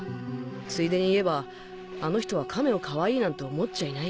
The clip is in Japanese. ついでにいえばあの人は亀をかわいいなんて思っちゃいない。